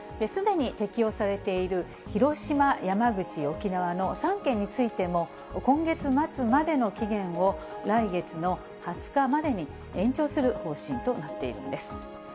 すでに適用されている広島、山口、沖縄の３県についても、今月末までの期限を、来月の２０日までに延長する方針となっているんです。